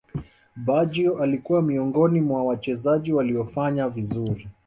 baggio alikuwa miongoni mwa Wachezaji waliofanya vizuri